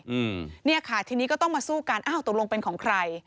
อืมเนี่ยค่ะทีนี้ก็ต้องมาสู้กันอ้าวตกลงเป็นของใคร